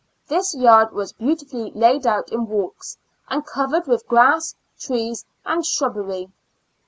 This yard was beautifully laid out in walks, and covered with grass, trees, and shrubbery.